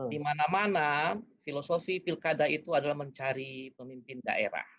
di mana mana filosofi pilkada itu adalah mencari pemimpin daerah